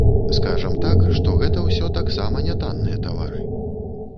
Скажам так, што гэта ўсё таксама не танныя тавары.